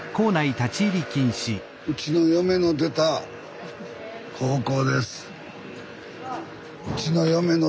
うちの嫁の出た高校。